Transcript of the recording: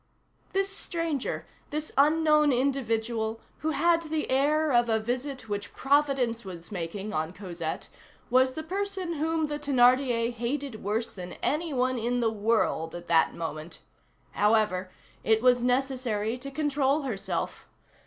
This stranger, this unknown individual, who had the air of a visit which Providence was making on Cosette, was the person whom the Thénardier hated worse than any one in the world at that moment. However, it was necessary to control herself.